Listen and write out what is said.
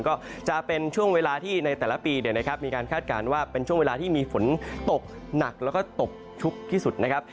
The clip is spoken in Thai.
ก็จะเป็นช่วงเวลาที่ในแต่ละปีเนี่ยนะครับมีการคาดการณ์ว่าเป็นช่วงเวลาที่มีฝนตกหนักแล้วก็ตกชุกที่สุดนะครับ